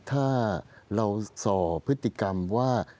ถ้าเราส่อพฤติกรรมว่า